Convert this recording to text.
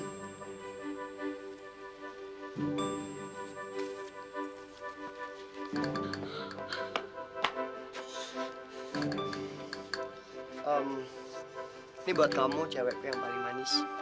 ehm ini buat kamu cewekku yang paling manis